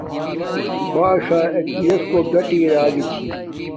باݽا ایک دوݵ یݽڎ کوٹ گاٹی اراگی چھی